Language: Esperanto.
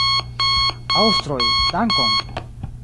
Aŭstroj, dankon!